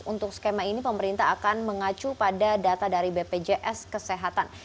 untuk skema ini pemerintah akan mengacu pada data dari bpjs kesehatan